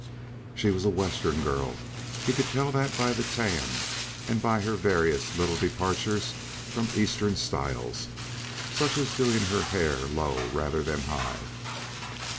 She was a Western girl, he could tell that by the tan and by her various little departures from the Eastern styles such as doing her hair low rather than high.